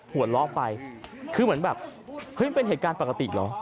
หัวเราะไปคือเหมือนแบบเฮ้ยมันเป็นเหตุการณ์ปกติเหรอ